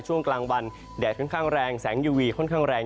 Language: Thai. ช่วงกลางวันแดดค่อนข้างแรงแสงยูวีค่อนข้างแรง